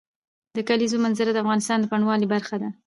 د کلیزو منظره د افغانستان د بڼوالۍ برخه ده.